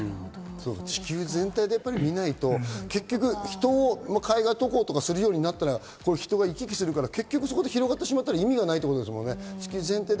地球全体で見ないと人が海外渡航することになったら、人が行き来するから、そこで広がってしまったら意味がないということですもんね。